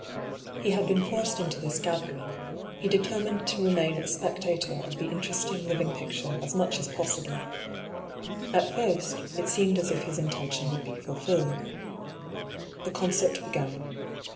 He had been forced into this gathering, he determined to re main a spectator of the interesting living picture as much as possible. At first it seemed as if his intention would be fulfilled. The concert began.